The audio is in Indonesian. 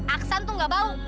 aksan tuh gak bau